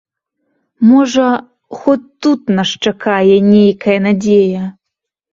Можа, хоць тут нас чакае нейкая надзея.